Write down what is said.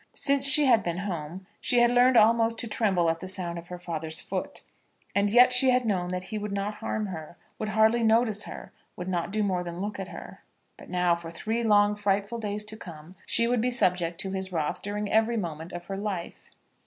Since she had been home, she had learned almost to tremble at the sound of her father's foot; and yet she had known that he would not harm her, would hardly notice her, would not do more than look at her. But now, for three long frightful days to come, she would be subject to his wrath during every moment of her life.